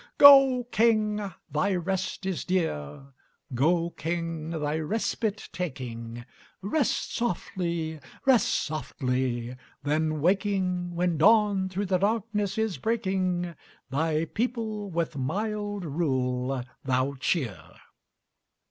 Go, King, thy rest is dear, Go, King, thy respite taking, Rest softly, rest softly, then waking, When dawn through the darkness is breaking, Thy people with mild rule thou cheer!'